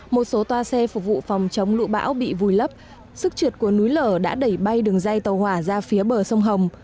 một số toa xe phục vụ phòng chống lũ bão bị vùi lấp sức trượt của núi lở đã đẩy bay đường dây tàu hỏa ra phía bờ sông hồng